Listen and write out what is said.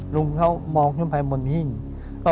ลุงเขามองขึ้นไปบนหิ้ง